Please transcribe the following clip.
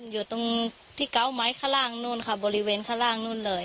อยู่ตรงที่เกาะไม้ข้างล่างนู่นค่ะบริเวณข้างล่างนู่นเลย